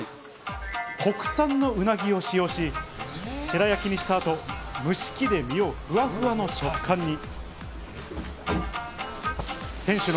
国産のうなぎを使用し、白焼きにしたあと蒸し器で身をふわふわの食感に。